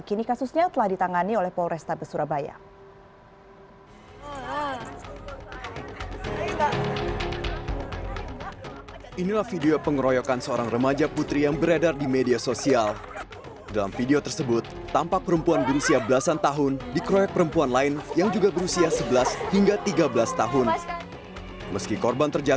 kini kasusnya telah ditangani oleh polrestabes surabaya